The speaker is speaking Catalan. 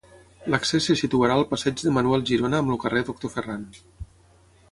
L'accés se situarà al passeig de Manuel Girona amb el carrer Doctor Ferran.